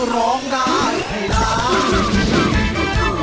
ร้องได้ให้ร้าน